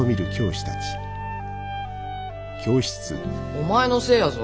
お前のせいやぞ。